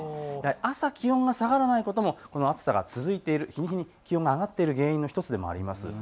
朝、気温が下がらないこともこの暑さが続いている、日に日に気温が上がっている原因の１つでもあります。